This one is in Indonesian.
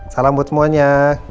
salam buat semuanya